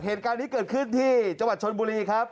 เหตุการณ์นี้เกิดขึ้นที่จังหวัดชนบุรีครับ